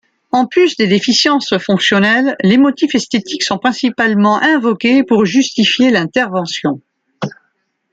En plus des déficiences fonctionnelles, les motifs esthétiques sont principalement invoqués pour justifier l'intervention.